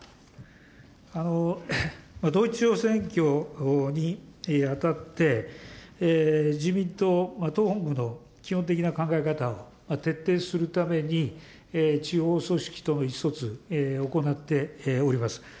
統一地方選挙にあたって、自民党党本部の基本的な考え方を徹底するために、地方組織との意思疎通、行っております。